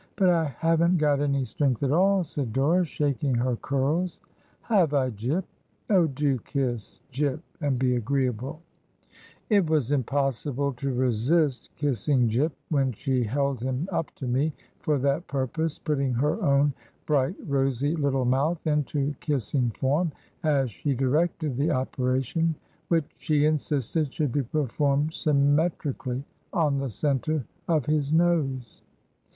'But I haven't got any strength at all/ said Dora, shaking her curls. 'Have I, Jip? Oh, do kiss Jip, and be agreeable I' It was impossible to resist kissing Jip, when she held him up to me for that purpose, putting her own bright, rosy little mouth into kissing form, as she directed the opera tion, which she insisted should be performed symmetri cally, on the centre of his nose.